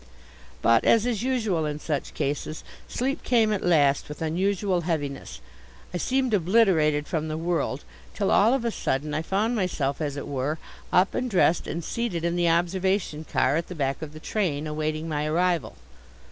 But, as is usual in such cases, sleep came at last with unusual heaviness. I seemed obliterated from the world till, all of a sudden, I found myself, as it were, up and dressed and seated in the observation car at the back of the train, awaiting my arrival.